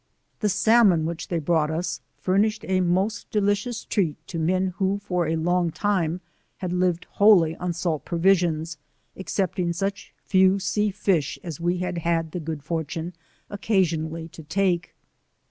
The salmon . which they lirought us furnished a most deliciooi treat to. 26 Bien who for a ]ong time had lived wholly on salt provisions excepting such few sea fish as we had the good fortune occasionally to take.